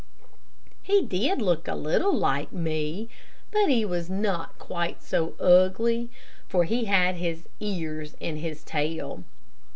He did look a little like me, but he was not quite so ugly, for he had his ears and his tail.